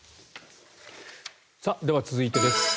では、続いてです。